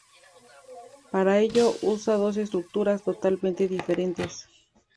Para ello usa dos estructuras totalmente diferentes.